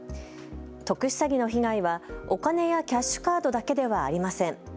特殊詐欺の被害はお金やキャッシュカードだけではありません。